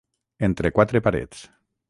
Entre quatre parets.